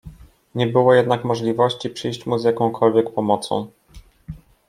Nie było jednak możności przyjść mu z jakąkolwiek pomocą.